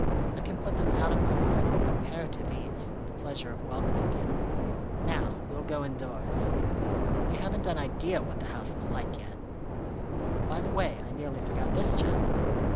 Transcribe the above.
I can put them out of my mind with comparative ease, in the pleasure of welcoming you. Now we'll go indoors. You haven't an idea what the house is like yet. By the way, I nearly forgot this chap."